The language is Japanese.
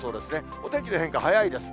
お天気の変化、早いです。